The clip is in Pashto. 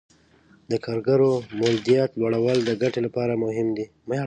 د کارګرو مولدیت لوړول د ګټې لپاره مهم دي.